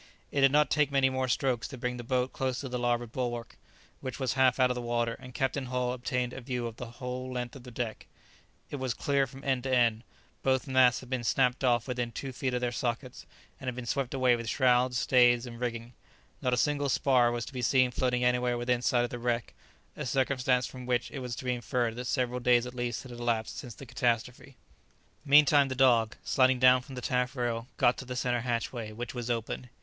It did not take many more strokes to bring the boat close to the larboard bulwark, which was half out of the water, and Captain Hull obtained a view of the whole length of the deck. It was clear from end to end. Both masts had been snapped off within two feet of their sockets, and had been swept away with shrouds, stays, and rigging. Not a single spar was to be seen floating anywhere within sight of the wreck, a circumstance from which it was to be inferred that several days at least had elapsed since the catastrophe. Meantime the dog, sliding down from the taffrail, got to the centre hatchway, which was open.